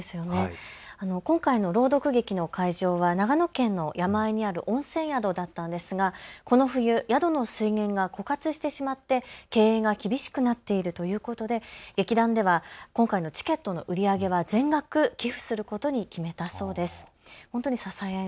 今回の朗読劇の会場は長野県の山あいにある温泉宿だったんですが、この冬、宿の水源が枯渇してしまって経営が厳しくなっているということで劇団では今回のチケットの売り上げは全額寄付することに決めたそうです。